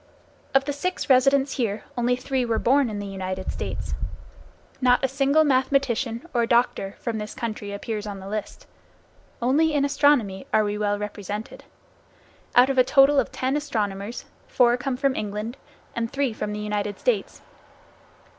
Of the six residents here, only three were born in the United States. Not a single mathematician, or doctor, from this country appears on the list. Only in astronomy are we well represented. Out of a total of ten astronomers, four come from England, and three from the United States.